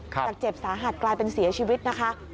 เจ็บสาหัสกลายเป็นเสียชีวิตนะคะ